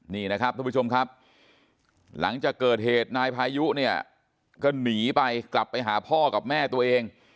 นี่นะครับทุกผู้ชมครับหลังจากเกิดเหตุนายพายุเนี่ยก็หนีไปกลับไปหาพ่อกับแม่ตัวเอง